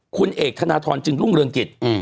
คุณเอกธนทรจึงรุ่งเรืองกิจ